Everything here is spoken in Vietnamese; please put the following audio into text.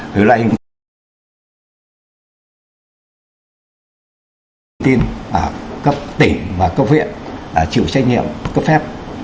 vì loại hình tin cấp tỉnh và cấp viện chịu trách nhiệm cấp phép